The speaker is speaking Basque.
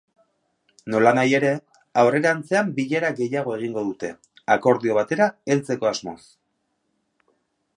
Nolanahi ere, aurrerantzean bilera gehiago egingo dute, akordio batera heltzeko asmoz.